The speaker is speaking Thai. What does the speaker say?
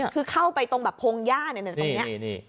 คือเข้าไปตรงแบบโพงหญ้าเนี่ยตรงเนี่ย